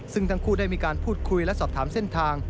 ซึ่งทั้งคู่ได้มีการพูดคุยและสอบถามเส้นทาง